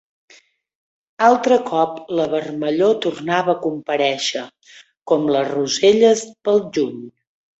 Altre cop la vermellor tornava a comparèixer, com les roselles pel juny…